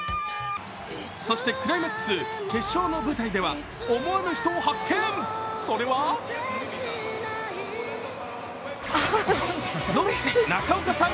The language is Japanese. そしてクライマックス決勝の舞台では思わぬ人を発見、それはロッチ中岡さん